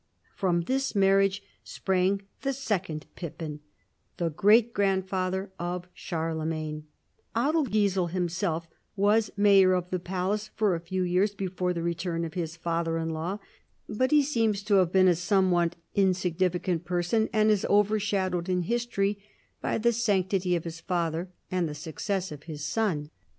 From this marriage sprang the second Pippin, the great grandfather of Charlemagne. Adelgisel himself was mayor of the palace for a few years before tiie return of his father iji Jaw, but lie sooins to h;ivc been a soiiunvliat insi<i'nificant EARLY MAYORS OF THE PALACE. 37 person, and is overshadowed in history by the sanc tity of his father and the success of his son.